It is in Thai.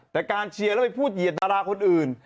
แต่การเชียร์แล้วไปพูดเหยียดดาราคนอื่น